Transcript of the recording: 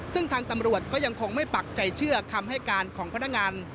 ซึ่งทางตำรวจก็ยังคงไม่ปักใจเชื่อคำให้การของพนักงาน